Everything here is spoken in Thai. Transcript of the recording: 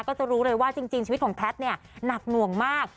ก็จะรู้เลยว่าจริงชีวิตของแพทย์เนี่ยหนักหน่วงมาก